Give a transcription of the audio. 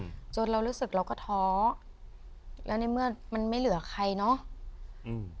จนเรารู้สึกเราก็ท้อแล้วในเมื่อมันไม่เหลือใครเนอะอืม